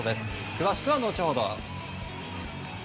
詳しくは後ほど。